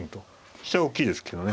飛車は大きいですけどね。